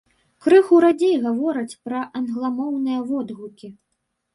Крыху радзей гавораць пра англамоўныя водгукі.